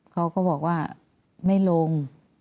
เขาก็บอกว่าไม่ลง